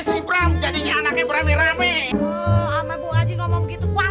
si braw jadinya anaknya beramai ramai ame buaji ngomong gitu kualat loh